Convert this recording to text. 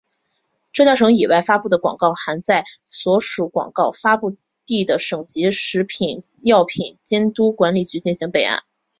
浙江省以外发布的广告还在所属广告发布地的省级食品药品监督管理局进行备案。